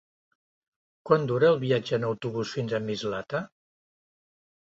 Quant dura el viatge en autobús fins a Mislata?